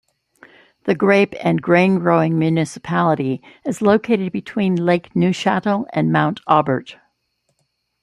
The grape and grain growing municipality is located between Lake Neuchatel and Mont Aubert.